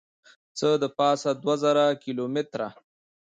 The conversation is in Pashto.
څه دپاسه دوه زره کیلو متره